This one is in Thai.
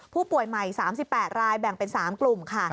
ผู้ป่วยใหม่๓๘รายแบ่งเป็น๓กลุ่มค่ะ